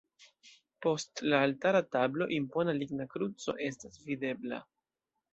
Post la altara tablo impona ligna kruco estas videbla.